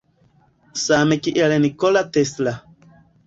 Same kiel Nikola Tesla.